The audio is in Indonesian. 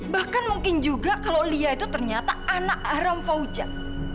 bahkan mungkin juga kalau lia itu ternyata anak haram faujat